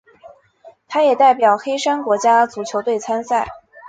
他也代表黑山国家足球队参赛。